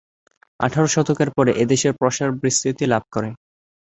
আঠারো শতকের পরে এদের প্রসার বিস্তৃতি লাভ করে।